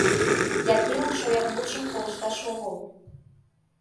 Якимын шояк мутшым колышташ огыл.